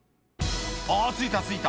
「あついたついた！